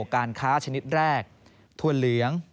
การค้าชนิดแรกถั่วเหลือง